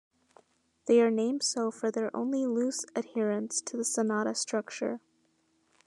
They are named so for their only loose adherence to the sonata structure.